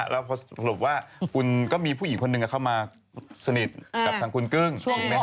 แล้วพอสรุปว่าคุณก็มีผู้หญิงคนหนึ่งเข้ามาสนิทกับทางคุณกึ้งถูกไหมฮ